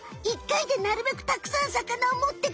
１回でなるべくたくさん魚をもってくる！